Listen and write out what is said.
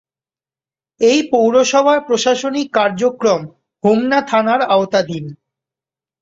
এ পৌরসভার প্রশাসনিক কার্যক্রম হোমনা থানার আওতাধীন।